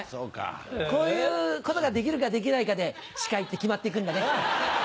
こういうことができるかできないかで司会って決まって行くんだねきっと。